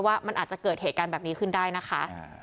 ว่ามันอาจจะเกิดเหตุการณ์แบบนี้ขึ้นได้นะคะ